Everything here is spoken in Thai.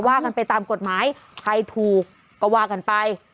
ว่ากันไปตามกฎหมายใครถูกก็ว่ากันไป